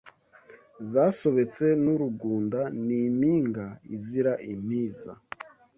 Zasobetse n’urugunda Ni impinga izira impiza